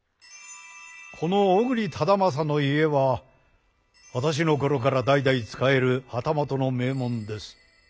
この小栗忠順の家は私の頃から代々仕える旗本の名門です。